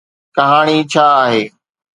ڪهاڻي ڇا آهي؟